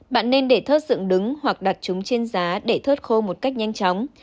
bạn nên để thớt dựng đứng hoặc đặt chúng trên giá để thớt khô một cách nhanh chóng